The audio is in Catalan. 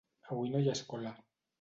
Avui no hi ha escola.